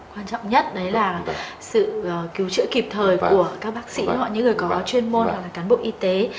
quan trọng nhất đấy là sự cứu chữa kịp thời của các bác sĩ hoặc những người có chuyên môn hoặc là cán bộ y tế